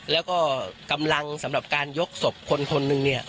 แล้วก็กำลังสำหรับการยกศพคนคนหนึ่งเนี่ย